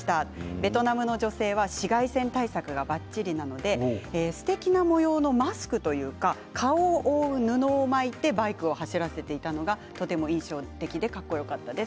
ベトナムの女性は紫外線対策がばっちりなのですてきな模様のマスクというか顔を覆う布を巻いてバイクを走らせていたのがとても印象的でかっこよかったです。